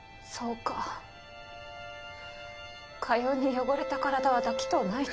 かように汚れた体は抱きとうないと。